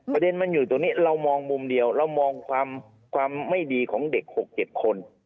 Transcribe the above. ประเด็นมันอยู่ตรงนี้เรามองมุมเดียวเรามองความไม่ดีของเด็ก๖๗คน